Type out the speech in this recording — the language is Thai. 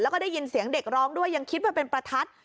แล้วก็ได้ยินเสียงเด็กร้องด้วยยังคิดว่าเป็นประทัด